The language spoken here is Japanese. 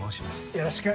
よろしく。